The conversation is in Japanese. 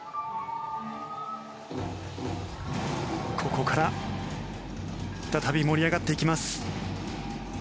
ここから再び盛り上がっていきます。